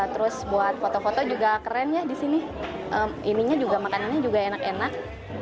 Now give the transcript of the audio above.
terus buat foto foto juga keren ya di sini makannya juga enak enak